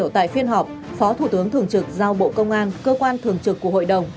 tại phiên họp phó thủ tướng thường trực giao bộ công an cơ quan thường trực của hội đồng